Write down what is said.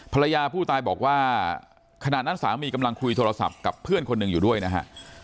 ภรรยาผู้ตายบอกว่าขณะนั้นสามีกำลังคุยโทรศัพท์กับเพื่อนคนหนึ่งอยู่ด้วยนะฮะ